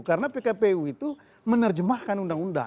karena pkpu itu menerjemahkan undang undang